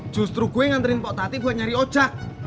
justru gue nganterin pok tati buat nyari ojak